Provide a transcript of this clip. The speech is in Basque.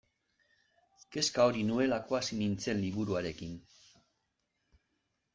Kezka hori nuelako hasi nintzen liburuarekin.